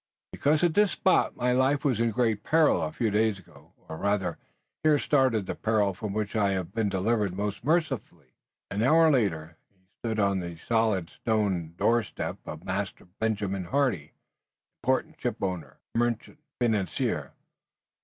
"Because at this spot my life was in great peril a few days ago, or rather, here started the peril from which I have been delivered most mercifully." An hour later he stood on the solid stone doorstep of Master Benjamin Hardy, important ship owner, merchant and financier.